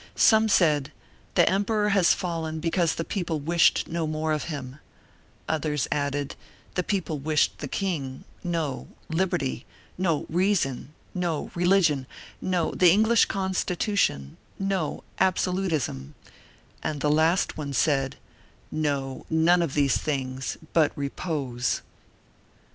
Some said: "The emperor has fallen because the people wished no more of him;" others added: "The people wished the king; no, liberty; no, reason; no, religion; no, the English constitution; no, absolutism;" and the last one said: "No, none of these things, but repose."